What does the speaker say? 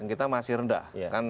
yang kita masih rendah